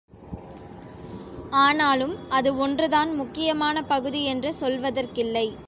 ஆனாலும் அது ஒன்று தான் முக்கியமான பகுதி என்று சொல்வதற்கில்லை.